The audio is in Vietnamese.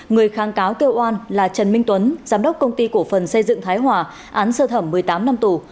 người kháng cáo kêu oan là trần minh tuấn giám đốc công ty cổ phần xây dựng thái hòa án sơ thẩm một mươi tám năm tù